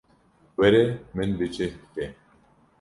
Were min bi cih bike.